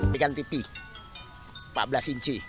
pekan tipi empat belas inci